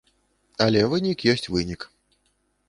Але вынік ёсць вынік.